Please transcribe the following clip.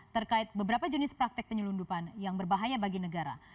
terkait beberapa jenis praktek penyelundupan yang berbahaya bagi negara